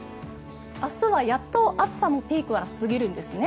明日はやっと暑さのピークは過ぎるんですね。